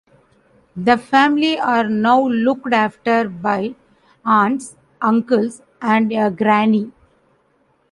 The family are now looked after by aunts, uncles and a granny.